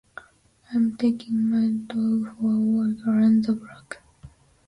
I am taking my dog for a walk around the block.